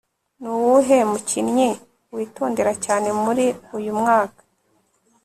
nuwuhe mukinnyi witondera cyane muri uyu mwaka